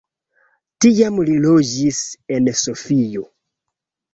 Tiam li loĝis en Sofio.